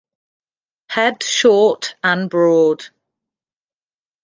Head short and broad.